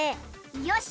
よし！